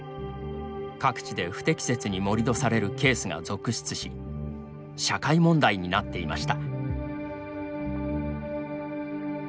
各地で不適切に盛り土されるケースが続出し社会問題になっていました。